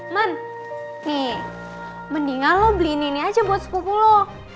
man nih mendingan lo beli ini aja buat sepuluh lo